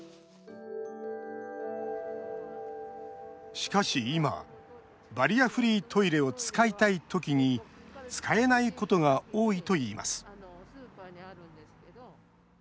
しかし、今バリアフリートイレを使いたい時に使えないことが多いといいます。